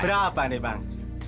berapa nih bang